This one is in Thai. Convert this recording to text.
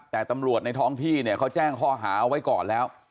แต่ตำรวจในท้องที่เนี่ยเขาแจ้งข้อหาเอาไว้ก่อนแล้ว